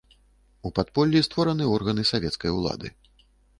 У падполлі створаны органы савецкай улады.